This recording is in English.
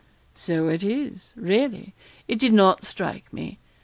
'So it is, really; it did not strike me.